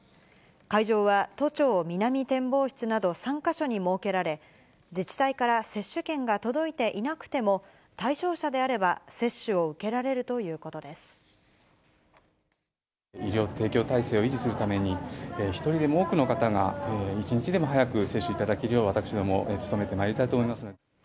会場は、都庁南展望室など３か所に設けられ、自治体から接種券が届いていなくても、対象者であれば接種を受け医療提供体制を維持するために、一人でも多くの方が一日でも早く接種いただけるよう、私ども努めてまいりたいと思います。